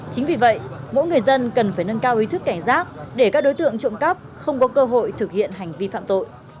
chính vì vậy mỗi người dân cần phải nâng cao ý thức cảnh giác để các đối tượng trộm cắp không có cơ hội thực hiện hành vi phạm tội